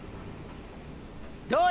どうや！